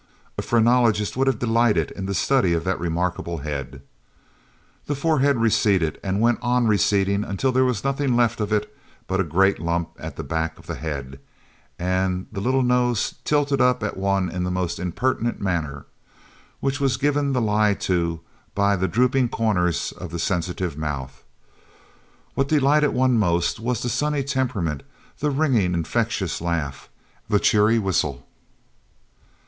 A phrenologist would have delighted in the study of that remarkable head. The forehead receded and went on receding until there was nothing left of it but a great lump at the back of the head, and the little nose tilted up at one in the most impertinent manner, which was given the lie to by the drooping corners of the sensitive mouth. What delighted one most was the sunny temperament, the ringing, infectious laugh, the cheery whistle.